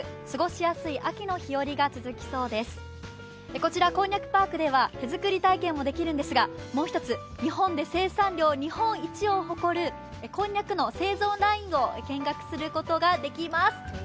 こちらこんにゃくパークでは手作り体験もできるんですが、もう一つ日本で生産量日本一を誇るこんにゃくの製造ラインを見学することができます。